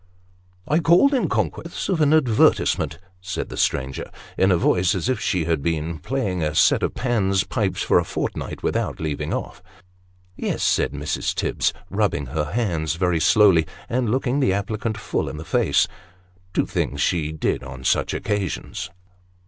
" I called in consequence of an advertisement," said the stranger, in a voice as if she had been playing a set of Pan's pipes for a fortnight without leaving off. " Yes !" said Mrs. Tibbs, rubbing her hands very slowly, and looking the applicant full in the face two things she always did on such occasions.